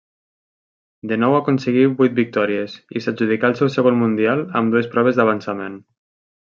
De nou aconseguí vuit victòries i s'adjudicà el seu segon Mundial amb dues proves d'avançament.